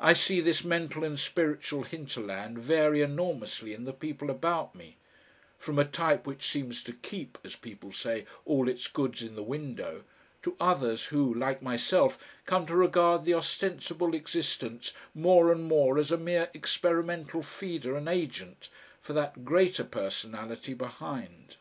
I see this mental and spiritual hinterland vary enormously in the people about me, from a type which seems to keep, as people say, all its goods in the window, to others who, like myself, come to regard the ostensible existence more and more as a mere experimental feeder and agent for that greater personality behind.